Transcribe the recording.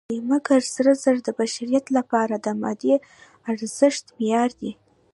مګر سره زر د بشریت لپاره د مادي ارزښت معیار دی.